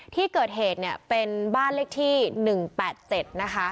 ที่เกิดเหตุเนี่ยเป็นบ้านเลขที่๑๘๗นะคะ